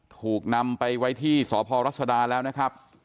ถูกนำไปไว้ที่สพรัศดาแล้วนะครับ